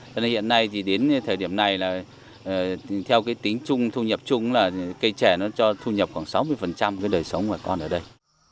cho nên hiện nay thì đến thời điểm này là theo cái tính chung thu nhập chung là cây trẻ nó cho thu nhập khoảng sáu mươi cái đời sống của con ở đây